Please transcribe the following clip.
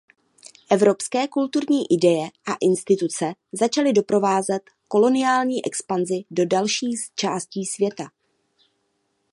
Evropské kulturní ideje a instituce začaly doprovázet koloniální expanzi do dalších částí světa.